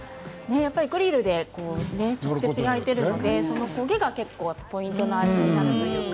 やっぱりグリルで直接焼いているので、焦げがポイントの味になるというか。